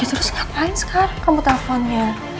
terus ngapain sekarang kamu telponnya